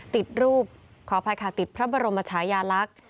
ติดรูปขออภัยค่ะติดพระบรมชายาลักษณ์